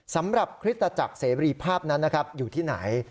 สำหรับคริสตจักรเสรีภาพนั้นนะครับอยู่ที่ไหน